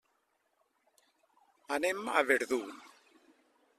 Anem a Verdú.